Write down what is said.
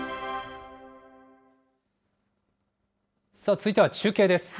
続いては中継です。